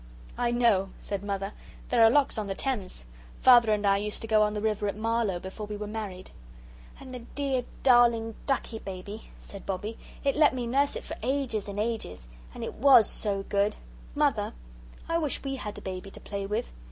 "I know," said Mother, "there are locks on the Thames. Father and I used to go on the river at Marlow before we were married." "And the dear, darling, ducky baby," said Bobbie; "it let me nurse it for ages and ages and it WAS so good. Mother, I wish we had a baby to play with."